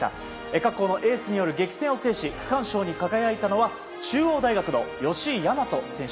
各校のエースによる激戦を制し区間賞に輝いたのは中央大学の吉居大和選手。